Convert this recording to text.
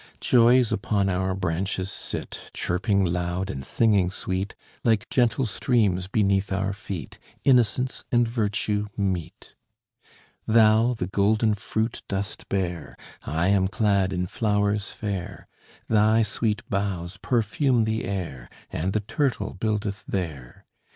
Joys upon our branches sit, Chirping loud and singing sweet; Like gentle streams beneath our feet, Innocence and virtue meet. Thou the golden fruit dost bear, I am clad in flowers fair; Thy sweet boughs perfume the air, And the turtle buildeth there.